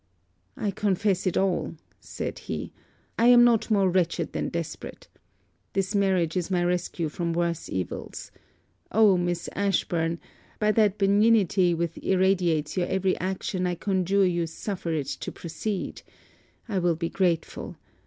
'I confess it all,' said he, 'I am not more wretched than desperate. This marriage is my resource from worse evils. Oh, Miss Ashburn! by that benignity which irradiates your every action I conjure you suffer it to proceed! I will be grateful.